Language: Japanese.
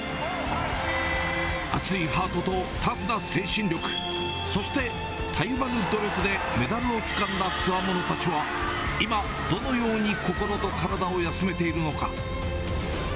熱いハートとタフな精神力、そしてたゆまぬ努力でメダルをつかんだつわものたちは、今、どのように心と体を休めているのか。